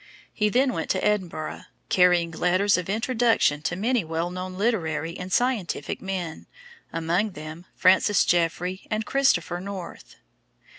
He then went to Edinburgh, carrying letters of introduction to many well known literary and scientific men, among them Francis Jeffrey and "Christopher North."